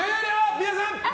皆さん！